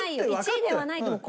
１位ではないと思う。